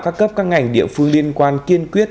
các cấp các ngành địa phương liên quan kiên quyết